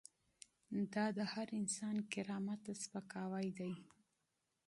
دا د هر انسان کرامت ته سپکاوی دی.